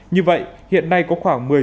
như vậy hiện nay có khoảng một mươi doanh nghiệp